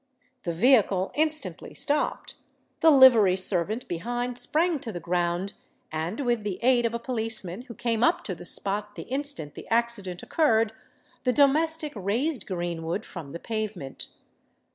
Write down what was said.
The vehicle instantly stopped: the livery servant behind sprang to the ground; and, with the aid of a policeman who came up to the spot the instant the accident occurred, the domestic raised Greenwood from the pavement.